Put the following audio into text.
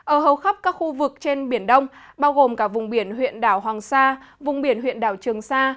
ở hầu khắp các khu vực trên biển đông bao gồm cả vùng biển huyện đảo hoàng sa vùng biển huyện đảo trường sa